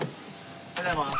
おはようございます。